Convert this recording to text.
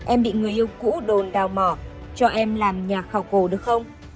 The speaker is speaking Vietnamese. em bị người yêu cũ đồn đào mỏ cho em làm nhà khảo cổ được không